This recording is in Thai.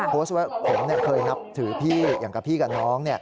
โพสต์ว่าผมเคยนับถือพี่อย่างกับพี่กับน้อง